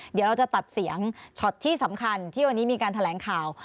เดี๋ยวเราจะตัดเสียงช็อตที่สำคัญที่วันนี้มีการแถลงข่าว